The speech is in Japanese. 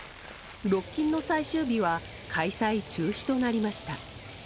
ロッキンの最終日は開催中止となりました。